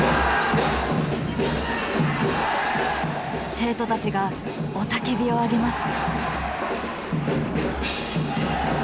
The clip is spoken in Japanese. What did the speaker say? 生徒たちが雄たけびを上げます。